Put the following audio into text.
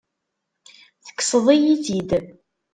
Tekkseḍ-iyi-tt-id.